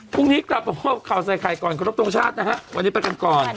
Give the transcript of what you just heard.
พรุ่งนี้กลับมาพบข่าวใส่ไข่ก่อนขอรบทรงชาตินะฮะวันนี้ไปกันก่อน